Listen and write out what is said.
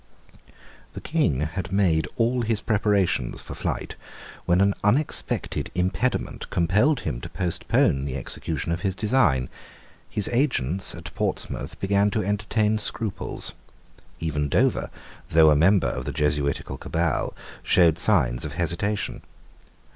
The King had made all his preparations for flight, when an unexpected impediment compelled him to postpone the execution of his design. His agents at Portsmouth began to entertain scruples. Even Dover, though a member of the Jesuitical cabal, showed signs of hesitation.